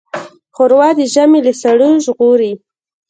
ښوروا د ژمي له سړو ژغوري.